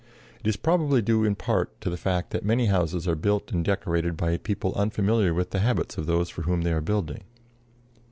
It is probably due in part to the fact that many houses are built and decorated by people unfamiliar with the habits of those for whom they are building.